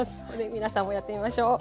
皆さんもやってみましょう。